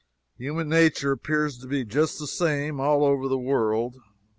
Human nature appears to be just the same, all over the world.